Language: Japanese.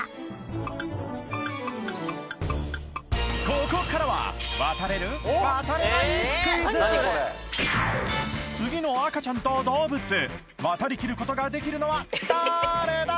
ここからは次の赤ちゃんと動物渡りきることができるのはだれだ？